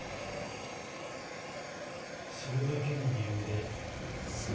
それだけの理由で。